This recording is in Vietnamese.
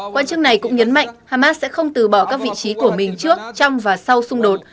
quan chức này cũng nhấn mạnh hamas sẽ không từ bỏ các vị trí của mình trước trong và sau xung đột